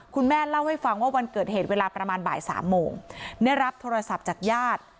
คุณแม่เล่าให้ฟังว่าวันเกิดเหตุเวลาประมาณบ่ายสามโมงได้รับโทรศัพท์จากญาติ